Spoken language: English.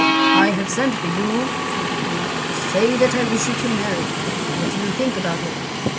"I have sent for you," said the king, "to say that I wish you to marry. What do you think about it?"